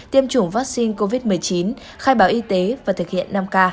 tiêm chủng vaccine covid một mươi chín khai báo y tế và thực hiện năm k